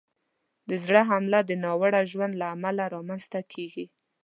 د زړه حمله د ناوړه ژوند له امله رامنځته کېږي.